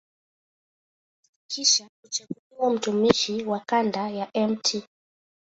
Kisha kuchaguliwa mtumishi wa kanda ya Mt.